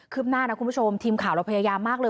หน้านะคุณผู้ชมทีมข่าวเราพยายามมากเลย